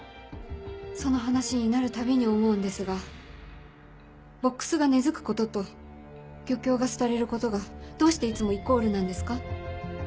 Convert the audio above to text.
その話になるたびに思うんですがボックスが根付くことと漁協が廃れることがどうしていつもイコールなんですか？